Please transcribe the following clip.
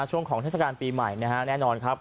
ช่วงของเทศกาลปีใหม่นะฮะแน่นอนครับ